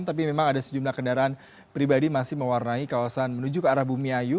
tapi memang ada sejumlah kendaraan pribadi masih mewarnai kawasan menuju ke arah bumi ayu